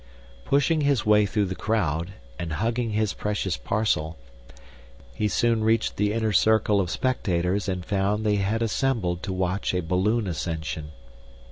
Pushing his way through the crowd, and hugging his precious parcel, he soon reached the inner circle of spectators and found they had assembled to watch a balloon ascension.